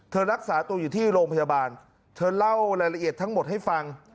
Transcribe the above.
รักษาตัวอยู่ที่โรงพยาบาลเธอเล่ารายละเอียดทั้งหมดให้ฟัง